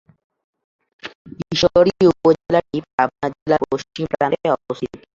ঈশ্বরদী উপজেলাটি পাবনা জেলার পশ্চিম প্রান্তে অবস্থিত।